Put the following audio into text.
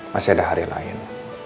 masih ada hari lain